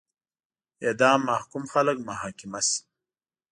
اعدام محکوم خلک محاکمه شي.